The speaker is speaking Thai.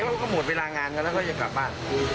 เขาก็หมดเวลางานกันแล้วก็จะกลับบ้าน